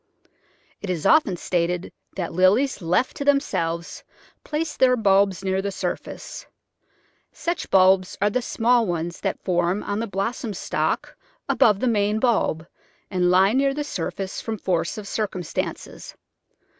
It is often stated that Lilies left to themselves place their bulbs near the surface. Such bulbs are die small ones that form on the blossom stalk above the main bulb, and lie near the surface from force of circum stances.